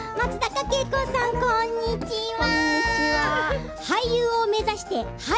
こんにちは。